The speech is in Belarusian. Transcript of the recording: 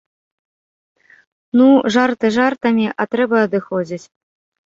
Ну, жарты жартамі, а трэба адыходзіць.